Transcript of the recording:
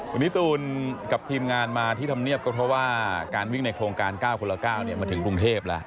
วันนี้ตูนกับทีมงานมาที่ธรรมเนียบก็เพราะว่าการวิ่งในโครงการ๙คนละ๙มาถึงกรุงเทพแล้ว